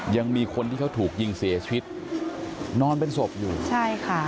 ยังมีคนที่เขาถูกยิงเสียชีวิตนอนเป็นศพอยู่ใช่ค่ะ